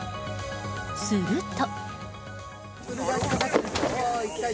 すると。